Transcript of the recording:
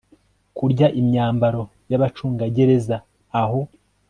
kurya imyambaro y abacungagereza aho